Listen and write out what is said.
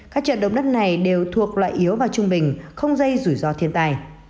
các trận động đất này đều thuộc loại yếu và trung bình không gây rủi ro thiên tài